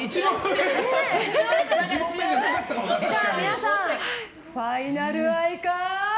皆さん、ファイナル愛花？